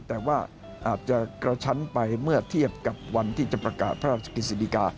แต่ว่าอาจจะกระชั้นไปเมื่อเทียบกับวันที่จะประกาศพระราชกฤษฎิกา